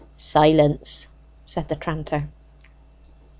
"Silence!" said the tranter.